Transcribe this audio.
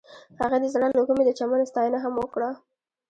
هغې د زړه له کومې د چمن ستاینه هم وکړه.